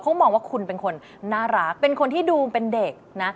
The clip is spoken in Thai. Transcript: เขามองว่าคุณเป็นคนน่ารักเป็นคนที่ดูเป็นเด็กนะ